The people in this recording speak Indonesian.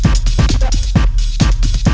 kamu orang baik